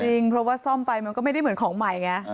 จริงเพราะว่าซ่อมไปมันก็ไม่ได้เหมือนของใหม่ไง